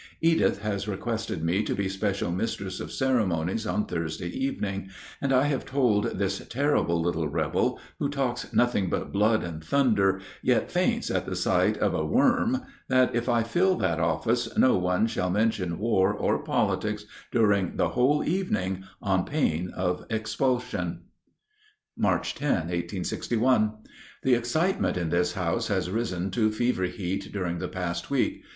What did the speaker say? Edith has requested me to be special mistress of ceremonies on Thursday evening, and I have told this terrible little rebel, who talks nothing but blood and thunder, yet faints at the sight of a worm, that if I fill that office no one shall mention war or politics during the whole evening, on pain of expulsion. March 10, 1861. The excitement in this house has risen to fever heat during the past week.